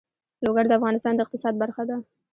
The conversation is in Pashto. لوگر د افغانستان د اقتصاد برخه ده.